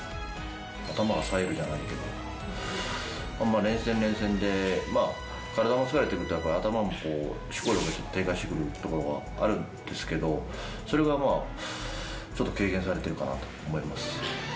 頭がさえるじゃないけど、連戦連戦で、体も疲れてくると、やっぱり、頭も思考力が低下してくるところがあるんですけど、それがまあ、ちょっと軽減されてるかなぁと思います。